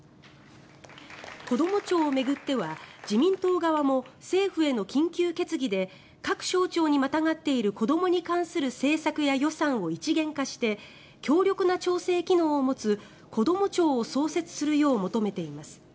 こども庁を巡っては自民党側も政府への緊急決議で各省庁にまたがっている子どもに関する政策や予算を一元化して強力な調整機能を持つこども庁を創設するよう、求めています。